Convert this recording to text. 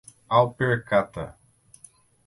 Alpercata